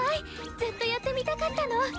ずっとやってみたかったの。